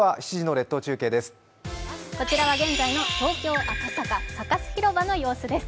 こちらは現在の東京・赤坂サカス広場の様子です。